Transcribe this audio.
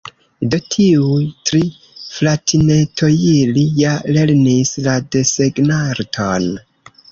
"Do, tiuj tri fratinetojili ja lernis la desegnarton"